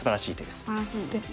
すばらしいですね。